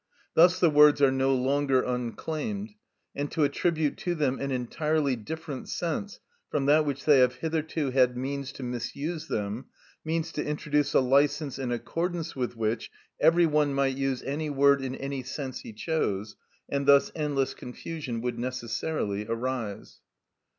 Thus the words are no longer unclaimed, and to attribute to them an entirely different sense from that which they have hitherto had means to misuse them, means to introduce a licence in accordance with which every one might use any word in any sense he chose, and thus endless confusion would necessarily arise.